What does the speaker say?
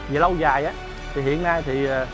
vì lâu dài thì hiện nay thì